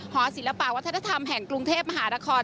ศิลปะวัฒนธรรมแห่งกรุงเทพมหานคร